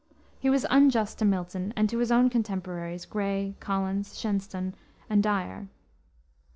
He was unjust to Milton and to his own contemporaries, Gray, Collins, Shenstone, and Dyer.